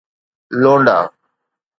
لونڊا